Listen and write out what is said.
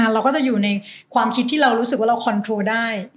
เราก็จะอยู่ในความคิดที่เรารู้สึกว่าเราคอนโทรได้